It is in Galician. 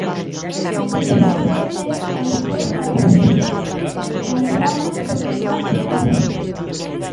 O terceiro é Aitor García Aliaga, do comando Madrid.